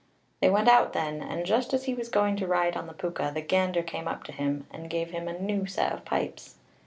They went out then, and just as he was going to ride on the Púca, the gander came up to him, and gave him a new set of pipes.